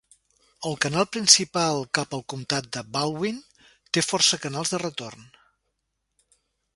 El canal principal cap al comtat del Baldwin té força canals de retorn.